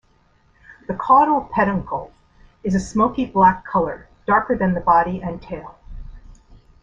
The caudal peduncle is a smoky black color, darker than the body and tail.